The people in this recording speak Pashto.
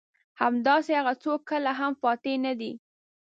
همداسې هغه څوک کله هم فاتح نه دي.